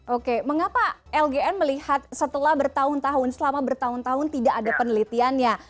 oke mengapa lgn melihat setelah bertahun tahun selama bertahun tahun tidak ada penelitiannya